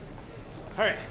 はい。